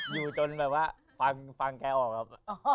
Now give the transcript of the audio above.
อยู่จนแบบว่าฟังแกออกครับ